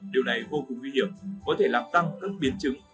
điều này vô cùng nguy hiểm có thể làm tăng các biến chứng